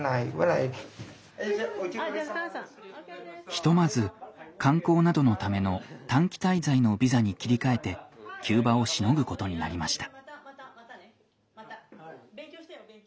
ひとまず観光などのための短期滞在のビザに切り替えて急場をしのぐことになりました。